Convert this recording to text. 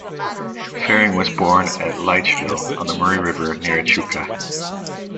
Fehring was born at Leitchville, on the Murray River, near Echuca.